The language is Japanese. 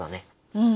うん。